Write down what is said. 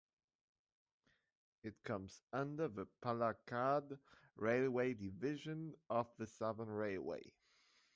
It comes under the Palakkad Railway Division of the Southern Railway.